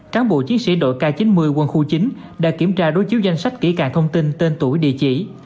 cán bộ chiến sĩ đội k chín mươi quân khu chín đã kiểm tra đối chiếu danh sách kỹ càng thông tin tên tuổi địa chỉ